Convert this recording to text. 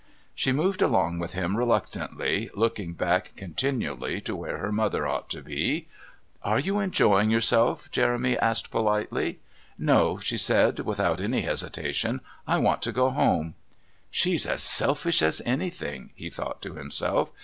She moved along with him reluctantly, looking back continually to where her mother ought to be. "Are you enjoying yourself?" Jeremy asked politely. "No," she said, without any hesitation, "I want to go home." "She's as selfish as anything," he thought to himself.